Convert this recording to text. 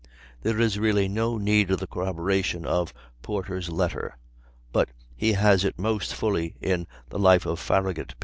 There is really no need of the corroboration of Porter's letter, but he has it most fully in the "Life of Farragut," p.